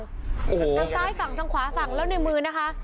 ทางซ้ายฝั่งทางขวาฝั่งแล้วในมือนะคะ